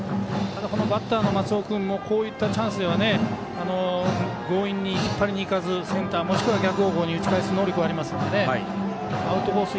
バッターの松尾君もこういったチャンスでは強引に引っ張りにいかずセンターもしくは逆方向に打ち返す能力はありますのでアウトコース